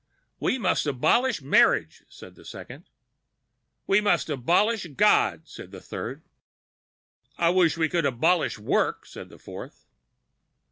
"We must abolish marriage," said the second. "We must abolish God," said the third. "I wish we could abolish work," said the fourth.